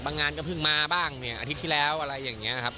งานก็เพิ่งมาบ้างเนี่ยอาทิตย์ที่แล้วอะไรอย่างนี้ครับ